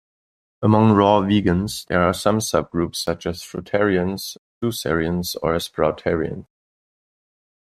Among raw vegans there are some subgroups such as fruitarians, juicearians, or sproutarians.